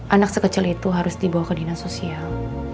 anak sekecil itu harus dibawa ke dinas sosial